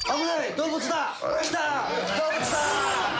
動物だ。